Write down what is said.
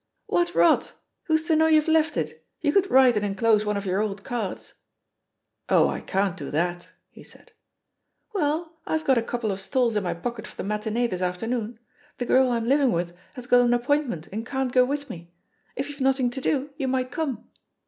"What rot I Who's to know you've left it? you could write and enclose one of your old cards." "Oh, I can't do that,'* he said. "Well, I've got a couple of stalls in my pocket for the matinee this afternoon. The girl I'm living with has got an appointment and can't go with me. If you've nothing to do, you might come."